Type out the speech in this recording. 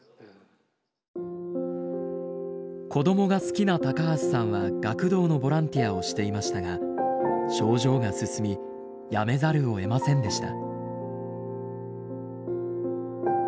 子供が好きな高橋さんは学童のボランティアをしていましたが症状が進み辞めざるをえませんでした。